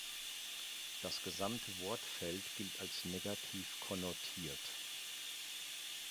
Das gesamte Wortfeld gilt als negativ konnotiert.